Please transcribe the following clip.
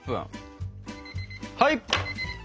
はい！